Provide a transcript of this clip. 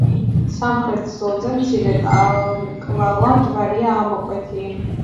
სამხრეთის ლოდზე მცირე ტოლმკლავა ჯვარია ამოკვეთილი.